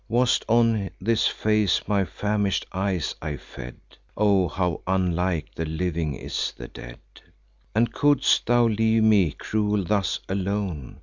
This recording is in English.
Was't on this face my famish'd eyes I fed? Ah! how unlike the living is the dead! And could'st thou leave me, cruel, thus alone?